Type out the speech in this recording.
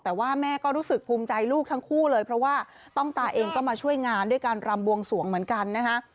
แต่ว่าแม่ก็รู้สึกภูมิใจลูกทั้งคู่เลยเพราะว่าต้องตาเองก็มาช่วยงานด้วยการรำบวงสวงเหมือนกันนะคะ